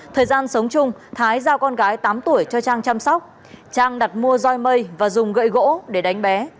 thời gian sống chung thái giao con gái tám tuổi cho trang chăm sóc trang đặt mua roi mây và dùng gậy gỗ để đánh bé